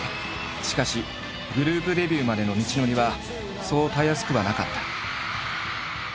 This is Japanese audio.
しかしグループデビューまでの道のりはそうたやすくはなかった。